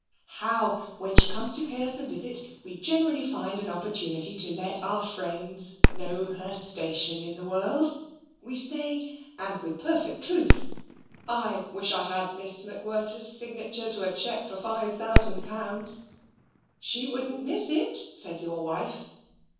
How, when she comes to pay us a visit, we generally find an opportunity to let our friends know her station in the world! We say (and with perfect truth) I wish I had Miss MacWhirter's signature to a cheque for five thousand pounds. She wouldn't miss it, says your wife.